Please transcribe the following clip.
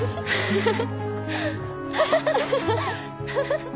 フフフフ。